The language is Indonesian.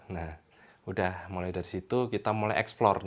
sudah mulai dari situ kita mulai eksplor